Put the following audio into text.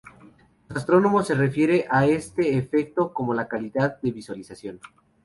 Los astrónomos se refieren a este efecto como la calidad de visualización.